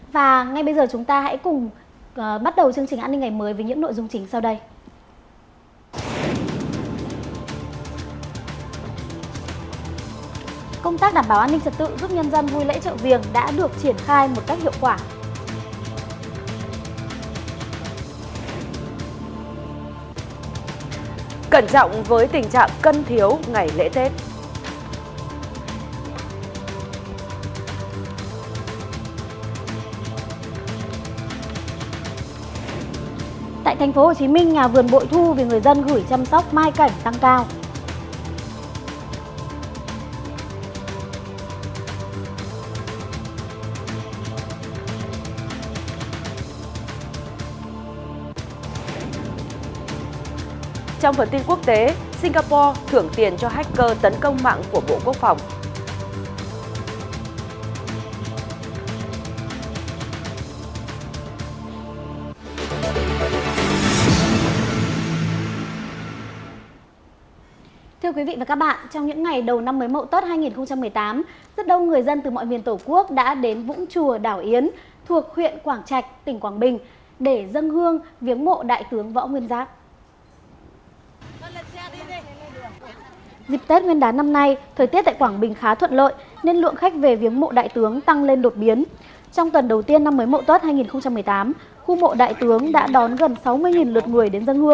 và ngay bây giờ chúng ta hãy cùng bắt đầu chương trình an ninh ngày mới với những nội dung chính sau đây